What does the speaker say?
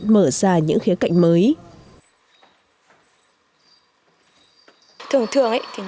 mở ra những khía cạnh mới